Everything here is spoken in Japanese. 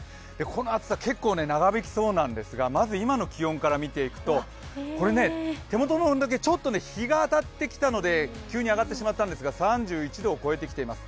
この暑さ、結構長引きそうなんですがまず今の気温から見ていくと手元の温度計、日が当たってきたので急に上がってしまったんですが、３１度を超えてきています。